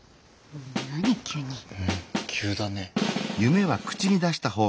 うん急だね。